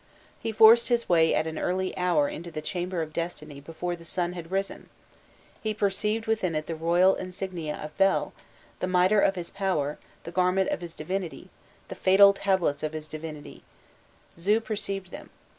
He forced his way at an early hour into the chamber of destiny before the sun had risen: he perceived within it the royal insignia of Bel, "the mitre of his power, the garment of his divinity, the fatal tablets of his divinity, Zu perceived them.